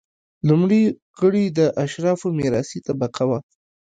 لومړي غړي د اشرافو میراثي طبقه وه.